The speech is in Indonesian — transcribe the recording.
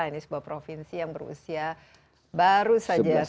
ini sebuah provinsi yang berusia baru saja